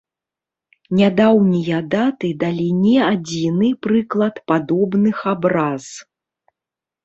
Нядаўнія даты далі не адзіны прыклад падобных абраз.